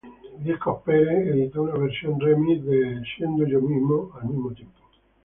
Warlock Records editó una versión remix de "Being Myself" al mismo tiempo.